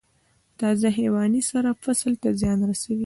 تازه حیواني سره فصل ته زیان رسوي؟